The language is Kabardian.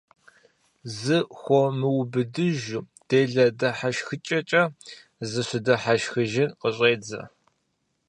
Зыхуэмыубыдыжу делэ дыхьэшхыкӀэкӀэ зыщыдыхьэшхыжын къыщӀедзэ.